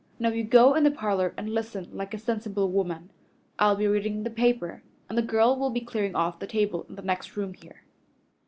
Now you go in the parlor and listen like a sensible woman. I'll be reading the paper, and the girl will be clearing off the table in the next room here."